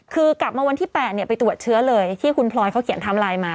คือกลับมาวันที่๘ไปตรวจเชื้อเลยที่คุณพลอยเขาเขียนทำไลน์มา